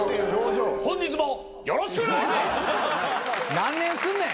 何年すんねん！